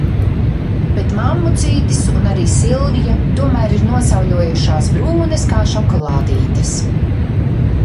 Bet mammucītis un arī Silvija tomēr ir nosauļojušās brūnas kā šokolādītes.